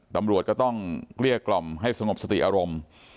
ตำรวจก็ต้องเกลี้ยกล่อมให้สงบสติอารมณ์